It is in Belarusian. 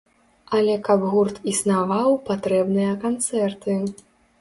Але каб гурт існаваў, патрэбныя канцэрты.